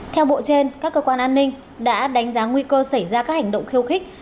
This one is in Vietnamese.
theo bộ trên các cơ quan an ninh đã đánh giá nguy cơ xảy ra các hành động khiêu khích